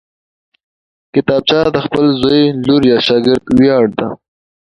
کتابچه د خپل زوی، لور یا شاګرد ویاړ ده